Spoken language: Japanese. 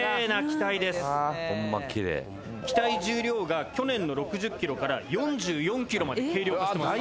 機体重量が去年の６０ｋｇから４４ｋｇまで軽量化してます。